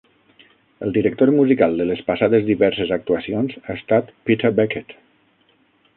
El director musical de les passades diverses actuacions ha estat Peter Beckett.